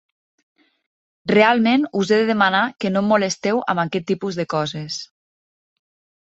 Realment us he de demanar que no em molesteu amb aquest tipus de coses.